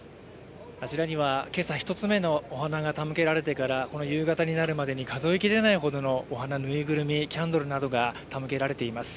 あちらには今朝１つ目の花が手向けられてからこの夕方になるまでに数え切れないほどのお花、ぬいぐるみ、キャンドルなどが手向けられています。